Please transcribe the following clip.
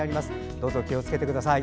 どうぞ気をつけてください。